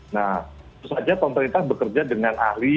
nah itu saja pemerintah bekerja dengan ahli